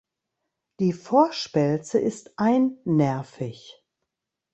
Die Vorspelze ist einnervig.